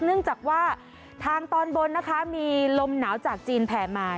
เนื่องจากว่าทางตอนบนนะคะมีลมหนาวจากจีนแผ่มา